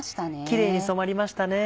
キレイに染まりましたね。